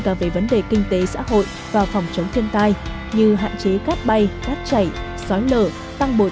cả về vấn đề kinh tế xã hội và phòng chống thiên tai như hạn chế cát bay cát chảy xói lở tăng bồi